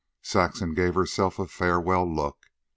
Saxon gave herself a farewell look.